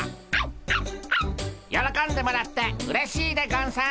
よろこんでもらってうれしいでゴンス。